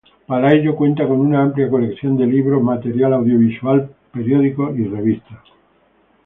Para ello cuenta con una amplia colección de libros, material audiovisual, periódicos y revistas.